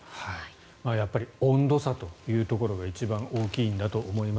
やっぱり温度差というところが一番大きいんだと思います。